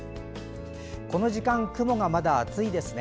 この時間、雲がまだ厚いですね。